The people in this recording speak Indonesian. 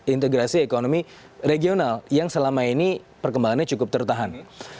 integrasi ekonomi regional yang selama ini perkembangannya cukup tertahan